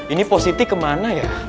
ini positi kemana ya